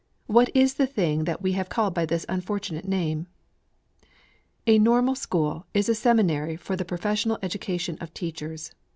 What is the thing which we have called by this unfortunate name? A Normal School is a seminary for the professional education of teachers.